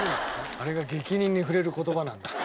あれが逆鱗に触れる言葉なんだ。